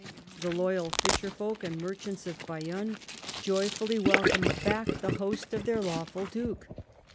The loyal fisherfolk and merchants of Bayonne joyfully welcomed back the host of their lawful duke.